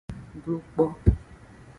Glo kpo.